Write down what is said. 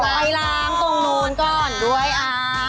ล้ายล้างตรงนู้นก่อนด้วยอ่า